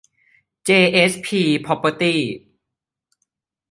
เจ เอส พี พร็อพเพอร์ตี้